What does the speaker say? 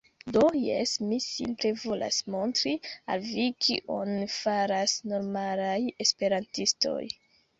Do, jes mi simple volas montri al vi kion faras normalaj esperantistoj